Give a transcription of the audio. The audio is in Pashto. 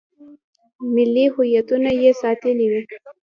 ملي هویتونه یې ساتلي وي.